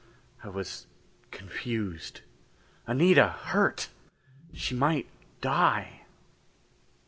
I was confused. Anita hurt! She might die